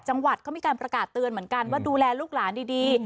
จังหวัดก็มีการประกาศเตือนเหมือนกันว่าดูแลลูกหลานดี